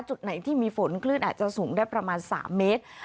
จุดไหนที่มีฝนคลื่นอาจจะสูงได้ประมาณ๓เมตร